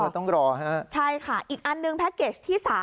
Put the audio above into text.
ต้องรอฮะใช่ค่ะอีกอันหนึ่งแพ็คเกจที่๓